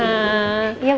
sampai ncus datang